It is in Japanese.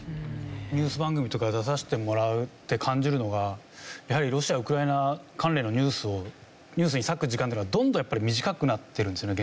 ニュース番組とか出させてもらって感じるのがやはりロシア・ウクライナ関連のニュースに割く時間っていうのはどんどん短くなってるんですよね